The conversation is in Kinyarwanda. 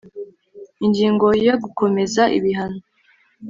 ingingo ya gukomeza ibihano